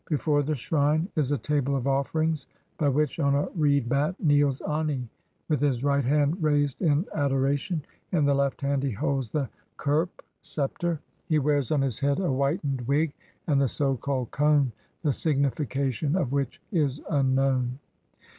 Before the shrine is a table of offerings by which, on a reed mat, kneels Ani with his right hand raised in adoration ; in the left hand he holds the Kherp sceptre. He wears on his head a whitened wig and the so called "cone", the signification of which is unknown.